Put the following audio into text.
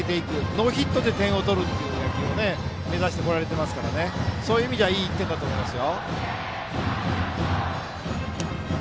ノーヒットで点を取る野球を目指してこられていますからそういう意味ではいい１点だと思います。